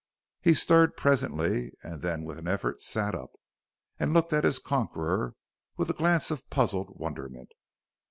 He stirred presently and then with an effort sat up and looked at his conqueror with a glance of puzzled wonderment.